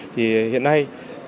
thì hiện nay